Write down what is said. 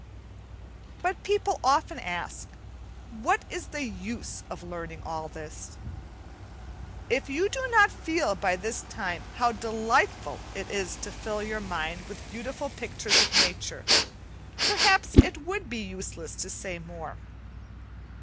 But people often ask, what is the use of learning all this? If you do not feel by this time how delightful it is to fill your mind with beautiful pictures of nature, perhaps it would be useless to say more.